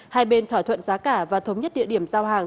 hai bên thỏa thuận giá cả và thống nhất địa điểm giao hàng